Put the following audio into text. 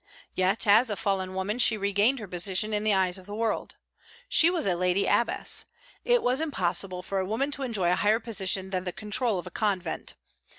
Yet, as a fallen woman, she regained her position in the eyes of the world. She was a lady abbess. It was impossible for a woman to enjoy a higher position than the control of a convent.